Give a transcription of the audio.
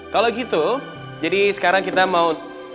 kalau gitu jadi sekarang kita mau